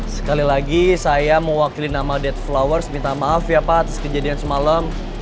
sekali lagi saya mewakili nama dead flowers minta maaf ya pak atas kejadian semalam